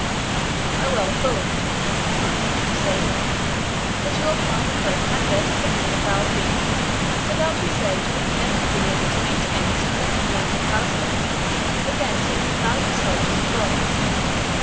"I well thought," answered the Crusader, "that your blinded race had their descent from the foul fiend, without whose aid you would never have been able to maintain this blessed land of Palestine against so many valiant soldiers of God.